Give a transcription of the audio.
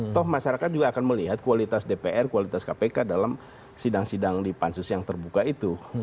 toh masyarakat juga akan melihat kualitas dpr kualitas kpk dalam sidang sidang di pansus yang terbuka itu